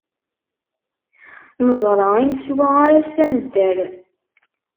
Neẓra i neswa, ar ass-a nedder.